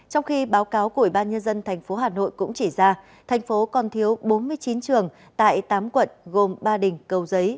trong khi báo cáo của ủy ban nhân dân tp hà nội cũng chỉ ra thành phố còn thiếu bốn mươi chín trường tại tám quận gồm ba đình cầu giấy